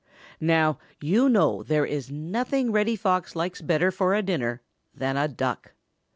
Now you know there is nothing Reddy Fox likes better for a dinner than a Duck.